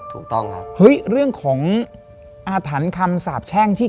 ถูกต้องครับเฮ้ยเรื่องของอาถรรพ์คำสาบแช่งที่